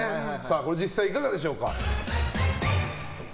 実際いかがでしょうか？